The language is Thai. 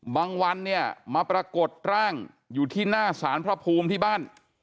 วันเนี่ยมาปรากฏร่างอยู่ที่หน้าสารพระภูมิที่บ้าน